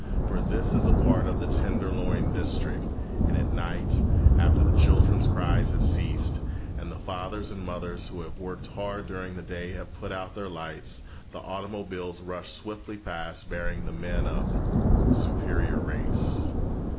For this is a part of the Tenderloin district, and at night, after the children's cries have ceased, and the fathers and mothers who have worked hard during the day have put out their lights, the automobiles rush swiftly past, bearing the men of the "superior race."